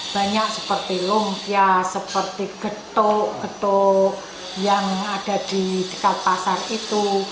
banyak seperti lumpia seperti getuk getuk yang ada di dekat pasar itu